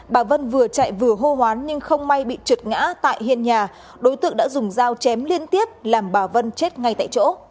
bà vân vừa chạy vừa hô hoán nhưng không may bị trượt ngã tại hiên nhà đối tượng đã dùng dao chém liên tiếp làm bà vân chết ngay tại chỗ